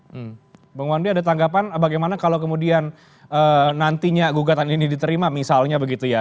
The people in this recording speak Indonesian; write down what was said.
hmm bang wandi ada tanggapan bagaimana kalau kemudian nantinya gugatan ini diterima misalnya begitu ya